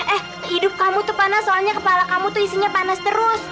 eh hidup kamu tuh panas soalnya kepala kamu tuh isinya panas terus